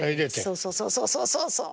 そうそうそうそうそうそうそう。